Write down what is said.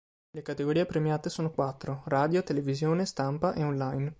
Le categorie premiate sono quattro: radio, televisione, stampa e online.